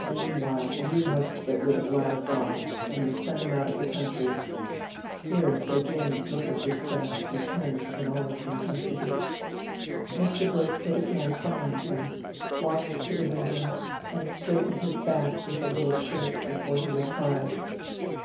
And meanwhile you must get rid of Ladislaw: you must send him out of the country." Here Sir James's look of disgust returned in all its intensity. Mr. Brooke put his hands behind him, walked to the window and straightened his back with a little shake before he replied.